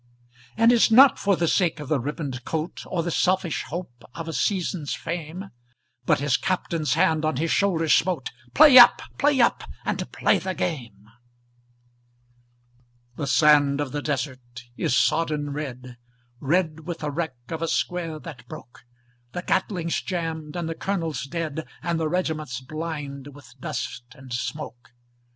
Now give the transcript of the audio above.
And it's not for the sake of a ribboned coat, Or the selfish hope of a season's fame, But his Captain's hand on his shoulder smote "Play up! play up! and play the game!" The sand of the desert is sodden red, Red with the wreck of a square that broke; The Gatling's jammed and the colonel dead, And the regiment blind with dust and smoke.